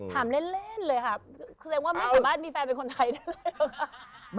ถามเล่นเลยค่ะ